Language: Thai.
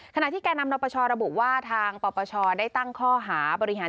ขณะที่แก่นำนปชระบุว่าทางปปชได้ตั้งข้อหาบริหาร